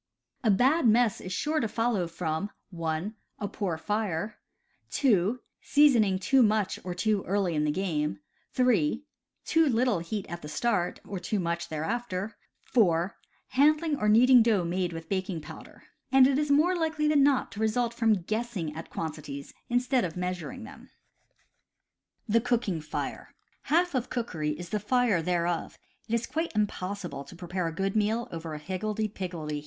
A bad mess is sure to follow from (1) a poor fire, (2) seasoning too much or too early in the game, (3) too little heat at the start, or too much thereafter, (4) handling or kneading dough made with baking powder; and it is more likely than not to result from guessing at quantities instead of measuring them. Half of cookery is the fire thereof. It is quite im possible to prepare a good meal over a higgledy piggledy ^, P